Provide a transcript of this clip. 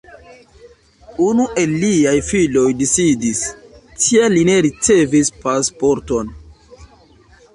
Unu el liaj filoj disidis, tial li ne ricevis pasporton.